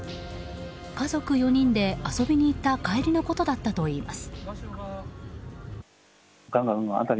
家族４人で遊びに行った帰りのことだったといいます。